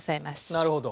なるほど。